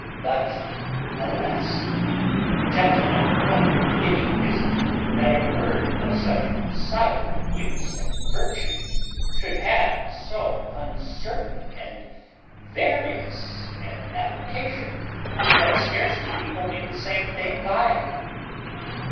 But alas! gentlemen, what pity is it that a word of such sovereign use and virtue should have so uncertain and various an application that scarce two people mean the same thing by it?